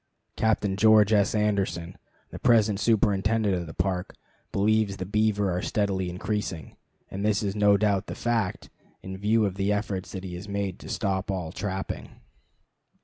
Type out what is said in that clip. Captain George S. Anderson, the present superintendent of the Park, believes the beaver are steadily increasing, and this is no doubt the fact, in view of the efforts that he has made to stop all trapping.